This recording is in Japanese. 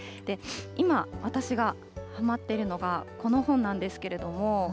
今、私がはまっているのが、この本なんですけれども。